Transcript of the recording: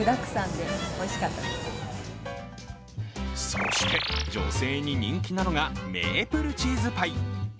そして、女性に人気なのがメープルチーズパイ。